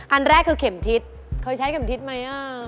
อันแรกคือเข็มทิศเคยใช้เข็มทิศไหม